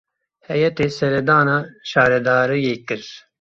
Heyetê seredana şaredariyê kir.